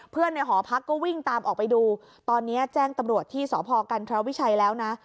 ในหอพักก็วิ่งตามออกไปดูตอนนี้แจ้งตำรวจที่สพกันธรวิชัยแล้วนะ